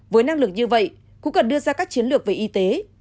với năng lực như vậy cũng cần đưa ra các chiến lược về y tế